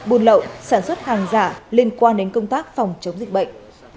buôn lậu sản xuất hàng giả liên quan đến công tác phòng chống dịch bệnh